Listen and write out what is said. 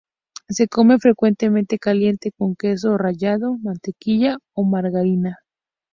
Se come frecuentemente caliente, con queso rallado, mantequilla o margarina.